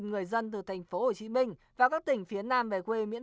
người dân từ tp hcm và các tỉnh phía nam về quê miễn